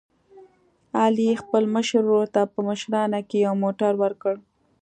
علي خپل مشر ورور ته په مشرانه کې یو موټر ور کړ.